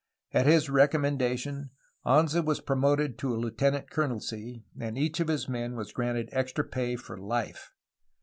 At his recommendation Anza was promoted to a lieutenant colonelcy, and each of his men was granted extra pay for life.